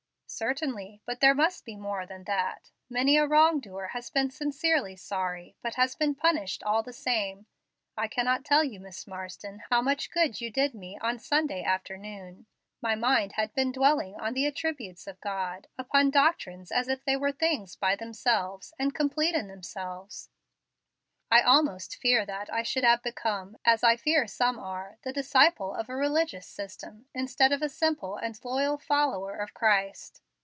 "Certainly, but there must be more than that. Many a wrong doer has been sincerely sorry, but has been punished all the same. I cannot tell you, Miss Marsden, how much good you did me on Sunday afternoon. My mind had been dwelling on the attributes of God, upon doctrines as if they were things by themselves and complete in themselves. I almost fear that I should have become, as I fear some are, the disciple of a religious system, instead of a simple and loyal follower of Christ.